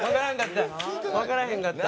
わからへんかった。